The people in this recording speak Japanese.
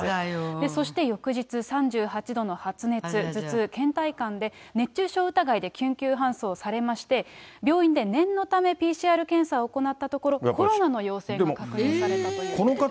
そして翌日、３８度の発熱、頭痛、けん怠感で、熱中症疑いで救急搬送されまして、病院で念のためＰＣＲ検査を行ったところ、コロナの陽性と確認されたということです。